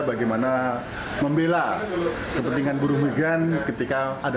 bagaimana untuk menjaga keamanan dan keamanan masyarakat di indonesia dan juga untuk menjaga